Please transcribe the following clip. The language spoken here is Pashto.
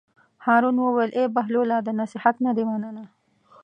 هارون وویل: ای بهلوله د نصیحت نه دې مننه.